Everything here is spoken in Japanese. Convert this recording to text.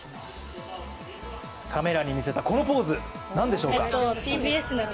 カメラに見せた、このポーズ何でしょうか。